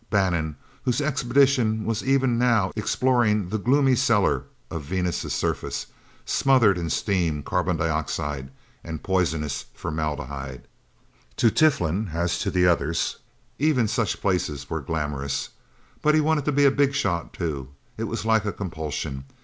Bannon, whose expedition was even now exploring the gloomy cellar of Venus' surface, smothered in steam, carbon dioxide and poisonous formaldehyde. To Tiflin, as to the others, even such places were glamorous. But he wanted to be a big shot, too. It was like a compulsion.